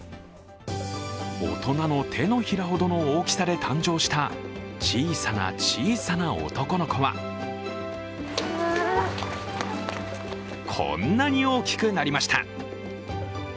大人の手のひらほどの大きさで誕生した小さな小さな男の子はこんなに大きくなりました。